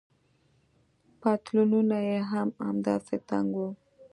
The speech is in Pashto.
پتلونونه يې هم همداسې تنګ وو.